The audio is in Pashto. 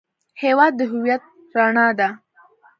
هېواد د هویت رڼا ده.